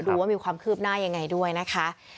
ดูว่ามีความคืบหน้ายังไงด้วยนะคะ